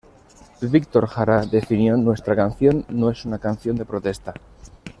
Víctor Jara definió "Nuestra canción no es una canción de protesta.